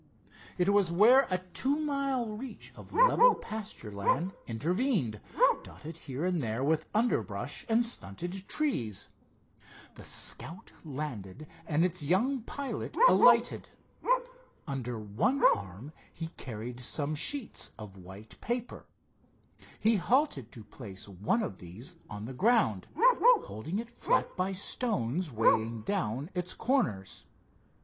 It was where a two mile reach of level pasture land intervened, dotted here and there with underbrush and stunted trees. The Scout landed and its young pilot alighted. Under one arm he carried some sheets of white paper. He halted to place one of these on the ground, holding it flat by stones weighing down its corners.